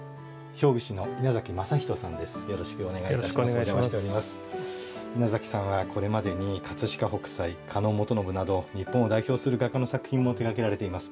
稲さんはこれまでに飾北斎狩野元信など日本を代表する画家の作品も手がけられています。